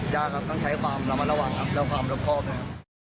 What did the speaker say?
ยากครับต้องใช้ความระมัดระวังครับและความรอบครอบนะครับ